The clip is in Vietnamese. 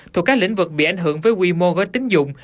thuộc các lĩnh vực bị ảnh hưởng với quy mô gói tính dụng